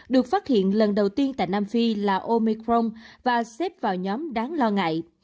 được phát hiện lần đầu tiên tại nam phi là omicron và xếp vào nhóm đáng lo ngại